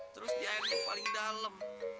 terus di air yang paling dalam